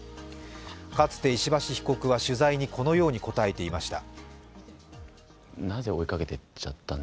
かつて石橋被告は取材にこのように答えていました。